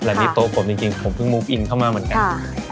อันนี้โต๊ะผมจริงผมเพิ่งมุฟอินเข้ามาเหมือนกัน